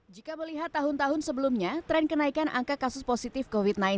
jika melihat tahun tahun sebelumnya tren kenaikan angka kasus positif covid sembilan belas